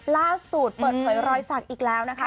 ล่าสุดเปิดเผยรอยสักอีกแล้วนะคะ